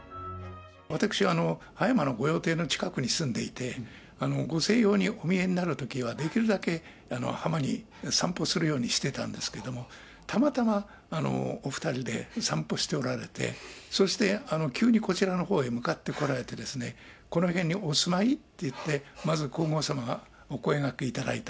私、葉山の御用邸の近くに住んでいて、ご静養にお見えになるときは、できるだけ浜に、散歩するようにしてたんですけれども、たまたまお２人で散歩しておられて、そして急にこちらのほうへ向かってこられてですね、この辺にお住まい？って言って、まず皇后さまが、お声がけいただいた。